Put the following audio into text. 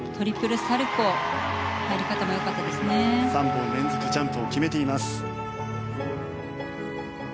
３本連続ジャンプを決めています。